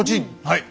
はい！